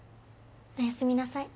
おやすみなさい。